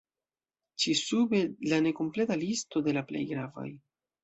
Ĉi sube la nekompleta listo de la plej gravaj.